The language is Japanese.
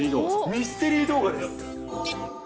ミステリー動画です。